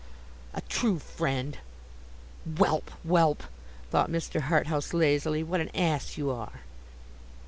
A true friend! 'Whelp, whelp!' thought Mr. Harthouse, lazily; 'what an Ass you are!